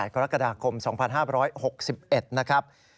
กรกฎาคม๒๕๖๑นะครับ